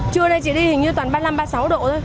trưa đây chỉ đi hình như toàn ba mươi năm ba mươi sáu độ thôi